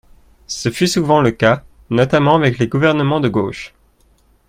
Ce fut souvent le cas, notamment avec les gouvernements de gauche.